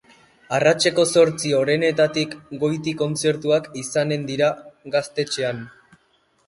Arratseko zortzi orenetatik goiti kontzertuak izanen dira gaztetxean.